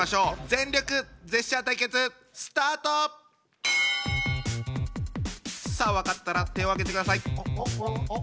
全力ジェスチャー対決スタート！さあ分かったら手を挙げてください。